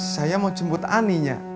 saya mau jemput ani nya